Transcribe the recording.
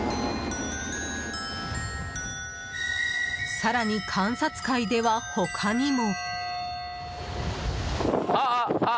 更に、観察会では他にも。